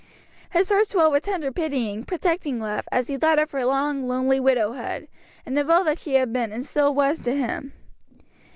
His heart swelled with tender pitying, protecting love, as he thought of her long, lonely widowhood, and of all that she had been and still was to him.